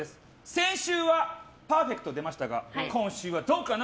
先週はパーフェクト出ましたが今週はどうかな。